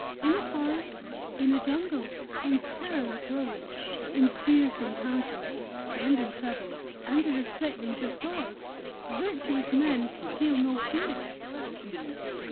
_'In the forest, in the jungle, on perilous roads, in fierce encounters, and in troubles, under the threatenings of swords Virtuous men feel no fear!